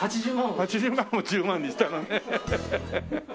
８０万を１０万にしたのね。